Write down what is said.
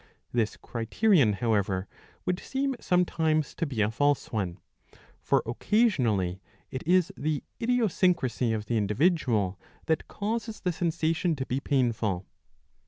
This criterion however would seem some times to be a false one ;. for occasionally it is the idiosyncracy of the individual that causes the sensation to be painful.